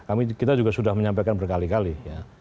kita juga sudah menyampaikan berkali kali ya